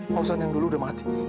kawasan yang dulu udah mati